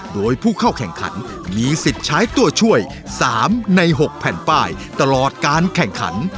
โดยผู้เข้าแข่งขันมีสิทธิ์ใช้ตัวช่วย๓ใน๖แผ่นป้ายตลอดการแข่งขัน